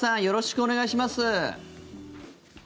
よろしくお願いします。